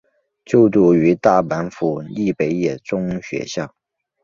就读于大阪府立北野中学校。